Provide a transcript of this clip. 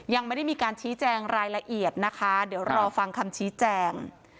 ยังไม่ได้มีการชี้แจงรายละเอียดนะคะเดี๋ยวรอฟังคำชี้แจง